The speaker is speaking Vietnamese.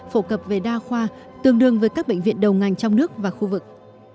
phổ cập về đa khoa tương đương với các bệnh viện đầu ngành trong nước và khu vực